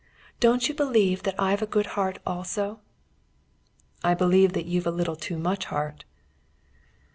Don't you believe that I've a good heart also?" "I believe that you've a little too much heart."